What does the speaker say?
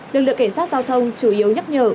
lực lượng cảnh sát giao thông chủ yếu nhắc nhở